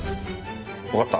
わかった。